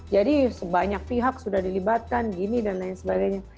jadi sebanyak pihak sudah dilibatkan gini dan lain sebagainya